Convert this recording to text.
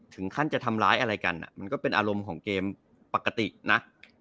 ถึงขั้นจะทำร้ายอะไรกันมันก็เป็นอารมณ์ของเกมปกตินะ